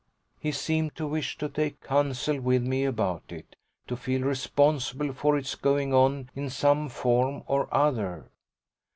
He seemed to wish to take counsel with me about it, to feel responsible for its going on in some form or other.